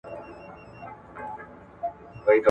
خاوند د خپل مالي وسع په اندازه ميرمني ته مسئول دی.